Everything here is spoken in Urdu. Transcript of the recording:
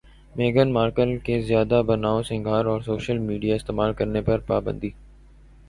میگھن مارکل کے زیادہ بنائو سنگھار اور سوشل میڈیا استعمال کرنے پر پابندی